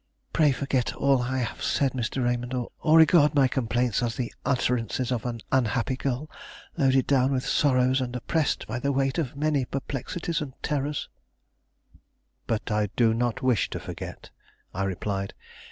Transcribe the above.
Pray forget all I have said, Mr. Raymond, or regard my complaints as the utterances of an unhappy girl loaded down with sorrows and oppressed by the weight of many perplexities and terrors." "But I do not wish to forget," I replied.